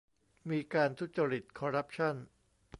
มีการทุจริต คอร์รัปชั่น